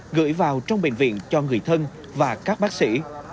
người dân gửi vào trong bệnh viện cho người thân và các bác sĩ